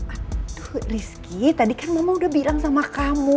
aduh rizky tadi kan mama udah bilang sama kamu